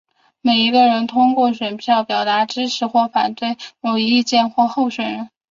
每一个人通过选票表达支持或反对某一意见或候选人。